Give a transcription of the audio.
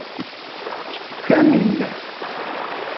Kwihaninde.